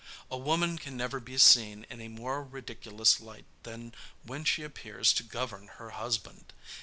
"A woman can never be seen in a more ridiculous light than when she appears to govern her husband.